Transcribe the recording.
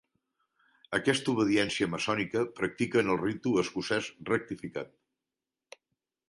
Aquesta obediència maçònica practica en el Ritu Escocès Rectificat.